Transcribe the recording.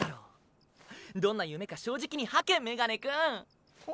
どんな夢か正直に吐けメガネくん！は？